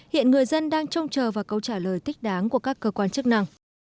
hiện người dân đang trông chờ và cấu trả lời thích đáng của các cơ quan chức năng